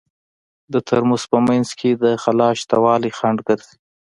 د ترموز په منځ کې د خلاء شتوالی خنډ ګرځي.